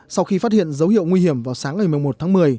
sau khi phát hiện dấu hiệu nguy hiểm vào sáng ngày một mươi một tháng một mươi